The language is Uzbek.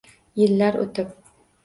Yillar o’tib